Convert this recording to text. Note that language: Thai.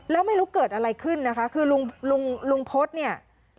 แล้วไม่รู้เกิดอะไรขึ้นนะคะคือลุงลุงพฤษเนี่ย